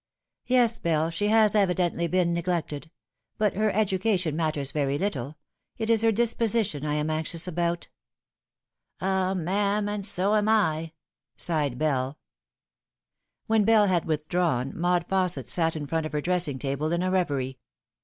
Yes, Bell, she has evidently been neglected ; but her education matters very little. It is her disposition I am anxious about." " Ah, ma'am, and so am 7," sighed BelL When Bell had withdrawn, Maud Fausset sat in front of her dressing table in a reverie.